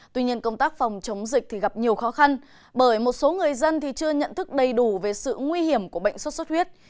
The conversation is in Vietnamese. tuy nhiên công tác phòng chống dịch gặp nhiều khó khăn bởi một số người dân chưa nhận thức đầy đủ về sự nguy hiểm của bệnh xuất xuất huyết